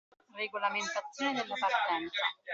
Regolamentazione della partenza